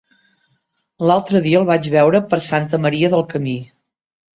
L'altre dia el vaig veure per Santa Maria del Camí.